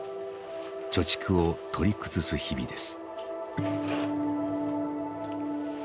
貯蓄を取り崩す日々です。